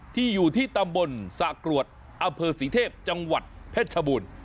อยู่ที่ตำบลสระกรวดอำเภอศรีเทพจังหวัดเพชรชบูรณ์